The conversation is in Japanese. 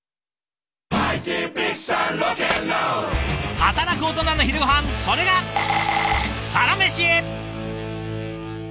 働くオトナの昼ごはんそれが「サラメシ」。